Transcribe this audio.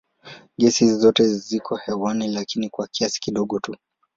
Gesi hizi zote ziko hewani lakini kwa kiasi kidogo tu.